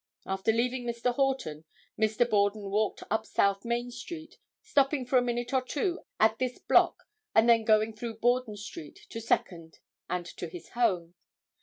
After leaving Mr. Horton Mr. Borden walked up South Main street, stopping for a minute or two at this block and then going through Borden street to Second and to his home.